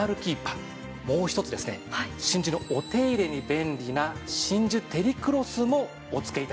もう一つですね真珠のお手入れに便利な真珠てりクロスもお付け致します。